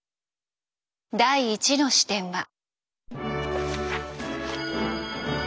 第１の視点は。